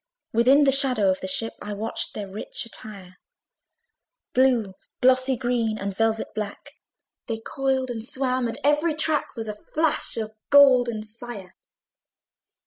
Within the shadow of the ship I watched their rich attire: Blue, glossy green, and velvet black, They coiled and swam; and every track Was a flash of golden fire.